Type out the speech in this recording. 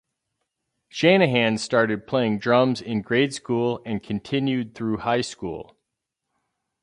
Shanahan started playing drums in grade school and continued through high school.